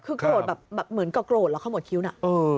คือโกรธแบบเหมือนก็โกรธแล้วเขาหมดคิ้วน่ะ